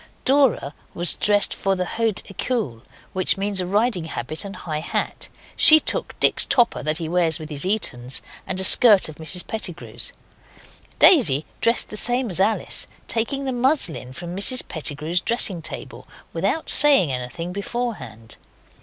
Dora was dressed for the Haute ecole, which means a riding habit and a high hat. She took Dick's topper that he wears with his Etons, and a skirt of Mrs Pettigrew's. Daisy, dressed the same as Alice, taking the muslin from Mrs Pettigrew's dressing table without saying anything beforehand.